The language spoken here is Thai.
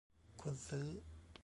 คนซื้อ